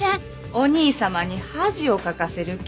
お兄様に恥をかかせる気？